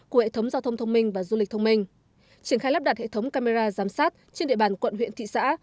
của hệ thống giao thông thông minh và du lịch thông minh triển khai lắp đặt hệ thống camera giám sát trên địa bàn quận huyện thị xã